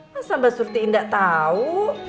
masa mba surti nggak tahu